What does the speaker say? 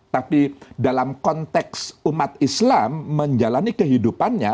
tapi dalam konteks umat islam menjalani kehidupannya